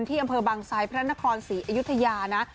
อำเภอบางไซดพระนครศรีอยุธยานะ